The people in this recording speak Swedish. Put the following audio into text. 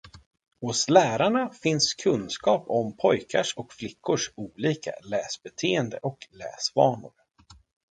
Hos lärarna finns kunskap om pojkars och flickor olika läsbeteende och läsvanor.